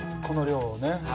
この量をね。